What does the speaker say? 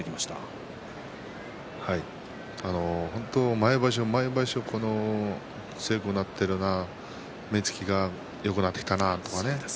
毎場所、毎場所強くなっている目つきがよくなってきたなとかね